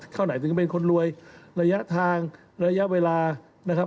เข้าไหนถึงเป็นคนรวยระยะทางระยะเวลานะครับ